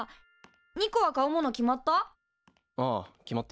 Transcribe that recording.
ニコは買うもの決まった？